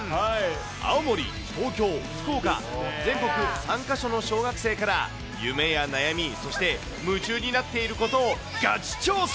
青森、東京、福岡、全国３か所の小学生から、夢や悩み、そして夢中になっていることをガチ調査。